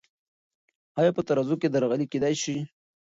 آیا په ترازو کې درغلي کیدی سی؟